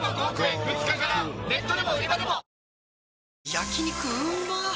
焼肉うまっ